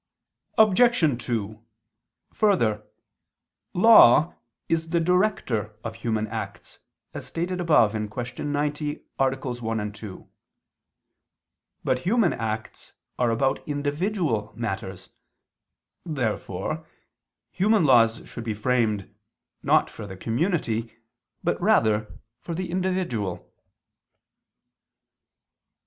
Obj. 2: Further, law is the director of human acts, as stated above (Q. 90, AA. 1, 2). But human acts are about individual matters. Therefore human laws should be framed, not for the community, but rather for the individual.